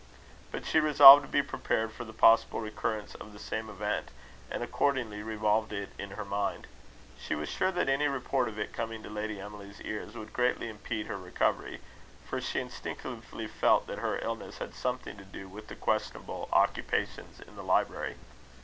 But she resolved to be prepared for the possible recurrence of the same event, and accordingly revolved it in her mind. She was sure that any report of it coming to Lady Emily's ears, would greatly impede her recovery; for she instinctively felt that her illness had something to do with the questionable occupations in the library.